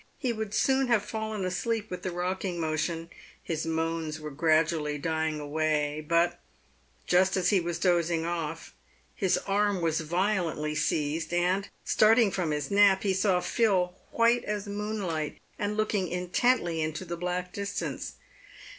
He would soon have fallen asleep with the rocking motion ; his moans were gradually dying away, but, just as he was dozing off, his arm was violently seized, and, starting from his nap, he saw Phil white as moonlight, and looking intently into the black distance.